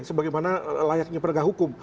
sebagaimana layaknya pernegah hukum